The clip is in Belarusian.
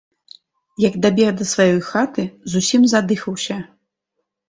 Як дабег да сваёй хаты, зусім задыхаўся.